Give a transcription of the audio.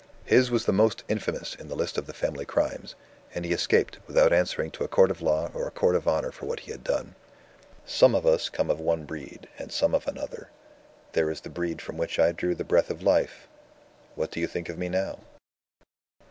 His was the most infamous in the list of the family crimes and he escaped, without answering to a court of law or a court of honor for what he had done. "Some of us come of one breed, and some of another. There is the breed from which I drew the breath of life. What do you think of me now?"